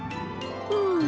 うん！